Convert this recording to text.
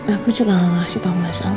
aku juga gak kasih tau mas